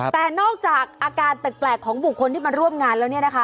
แต่นอกจากอาการแปลกของบุคคลที่มันร่วมงานแล้ว